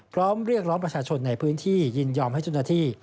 พร้อมเรียกร้องประชาชนในพื้นที่ยินยอมให้เจ้าหน้าที่